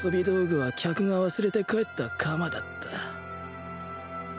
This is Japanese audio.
道具は客が忘れて帰った鎌だった